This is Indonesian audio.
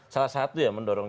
salah satu ya mendorong